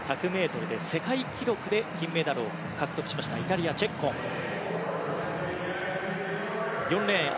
１００ｍで世界記録で金メダルを獲得しましたイタリアのチェッコン。